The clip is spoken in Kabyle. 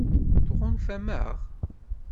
Tɣunfam-aɣ?